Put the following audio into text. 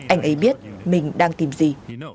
anh ấy biết mình đang tìm gì